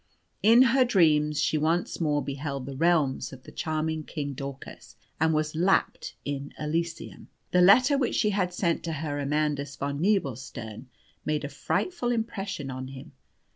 In her dreams she once more beheld the realms of the charming King Daucus, and was lapped in Elysium. The letter which she had sent to Herr Amandus von Nebelstern made a frightful impression on him.